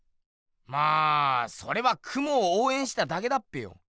まあそれはクモをおうえんしただけだっぺよ。